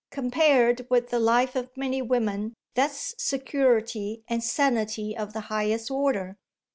"Compared with the life of many women that's security and sanity of the highest order.